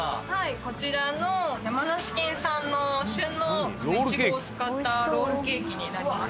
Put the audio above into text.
こちらの山梨県産の旬のイチゴを使ったロールケーキになります。